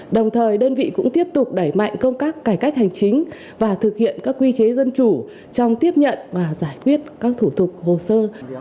đồng thời đơn vị cũng tiếp tục đẩy mạnh công tác cải cách hành chính và thực hiện các quy chế dân chủ trong tiếp nhận và giải quyết các thủ tục hồ sơ